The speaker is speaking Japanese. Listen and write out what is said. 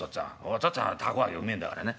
お父っつぁんは凧揚げうめえんだからな。